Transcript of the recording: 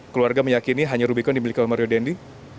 keluarga meyakini hanya rubicon yang dimiliki oleh mario dendy